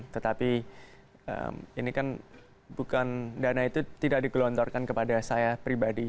tetapi ini kan bukan dana itu tidak digelontorkan kepada saya pribadi